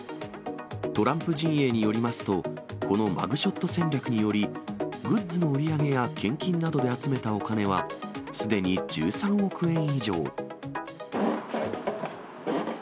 トランプ陣営によりますと、このマグショット戦略により、グッズの売り上げや献金などで集めたお金は、すでに１３億円以上。